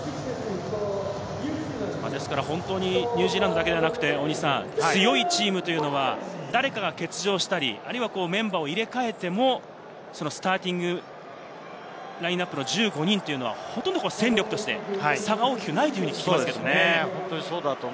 ですから本当にニュージーランドだけではなくて、強いチームは誰かが欠場したり、メンバーを入れ替えても、スターティングラインアップの１５人は戦力として差が大きくないと聞きますね。